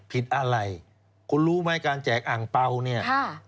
ผิดอะไรคุณรู้ไหมการแจกอ่างเปล่าเนี่ย